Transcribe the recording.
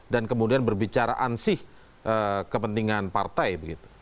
dan kemudian berbicara ansih kepentingan partai